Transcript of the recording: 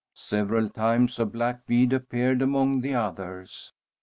Several times a black bead appeared among the others.